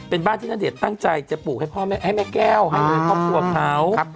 เป็นบ้านที่ณเดชน์ตั้งใจจะปลูกให้แม่แก้วให้เลยครอบครัวเขา